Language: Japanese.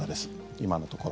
今のところ。